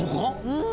うん。